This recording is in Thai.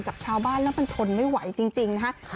กับชาวบ้านแล้วมันทนไม่ไหวจริงนะฮะ